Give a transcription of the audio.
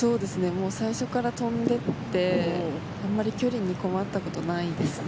もう最初から飛んでいてあまり距離に困ったことはないですね。